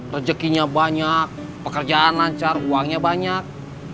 rejekinya banyak pekerjaan lancar uangnya banyak